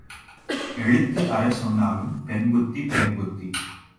எழுத்து அறச் சொன்னாலும் பெண் புத்தி பின்புத்தி.